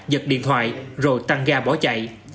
giật điện thoại rồi tăng ga bỏ chạy